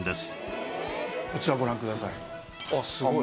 こちらをご覧ください。